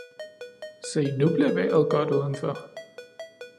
se, nu bliver vejret godt udenfor.